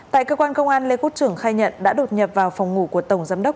tại cơ quan công an lê quốc trưởng khai nhận đã đột nhập vào phòng ngủ của tổng giám đốc